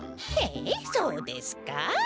へえそうですか？